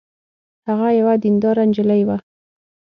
هغه یوه دینداره نجلۍ وه